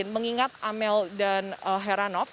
mengingat amel dan heranov